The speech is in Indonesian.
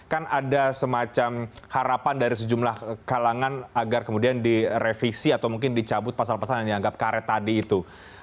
kan ada semacam harapan dari sejumlah kalangan agar kemudian direvisi atau mungkin dicabut pasal pasal yang dianggap karet tadi itu